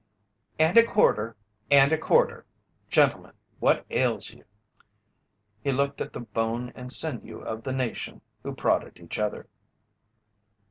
"And a quarter and a quarter gentlemen, what ails you?" He looked at the "bone and sinew of the nation," who prodded each other.